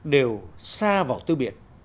đều xa vào tư biệt